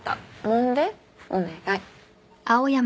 お願い。